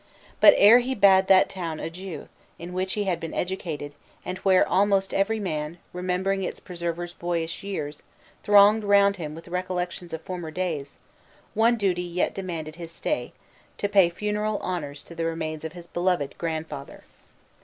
But ere he bade that town adieu, in which he had been educated, and where almost every man, remembering its preserver's boyish years, thronged round him with recollections of former days, one duty yet demanded his stay: to pay funeral honors to the remains of his beloved grandfather.